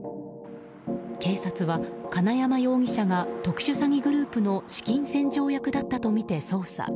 警察は金山容疑者が特殊詐欺グループの資金洗浄役だったとみて捜査。